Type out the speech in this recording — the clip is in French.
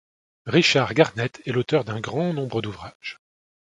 Richard Garnett est l'auteur d'un grand nombre d'ouvrages.